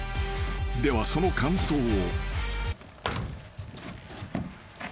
［ではその感想を］